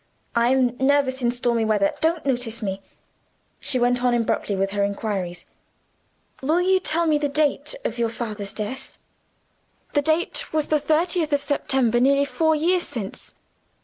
I am nervous in stormy weather don't notice me." She went on abruptly with her inquiries. "Will you tell me the date of your father's death?" "The date was the thirtieth of September, nearly four years since."